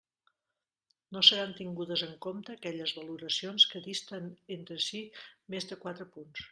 No seran tingudes en compte aquelles valoracions que disten entre si més de quatre punts.